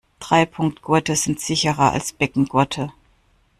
Dreipunktgurte sind sicherer als Beckengurte.